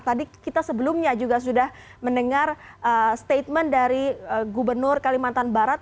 tadi kita sebelumnya juga sudah mendengar statement dari gubernur kalimantan barat